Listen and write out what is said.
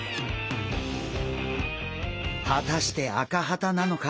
果たしてアカハタなのか？